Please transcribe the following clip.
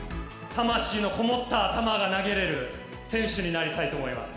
魂の込もった球が投げれる選手になりたいと思います。